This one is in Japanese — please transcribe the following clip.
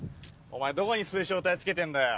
お前どこに水晶体つけてんだよ？